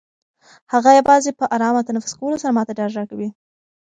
هغه یوازې په ارامه تنفس کولو سره ما ته ډاډ راکوي.